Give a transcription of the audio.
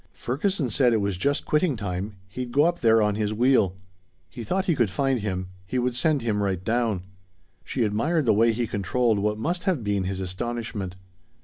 Ferguson said it was just quitting time. He'd go up there on his wheel. He thought he could find him. He would send him right down. She admired the way he controlled what must have been his astonishment.